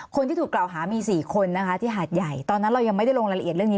คนที่ถูกกล่าวหามี๔คนนะคะที่หาดใหญ่ตอนนั้นเรายังไม่ได้ลงรายละเอียดเรื่องนี้